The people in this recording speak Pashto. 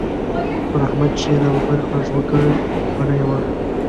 پر احمد چې يې ناببره غږ وکړ؛ بڼه يې والوته.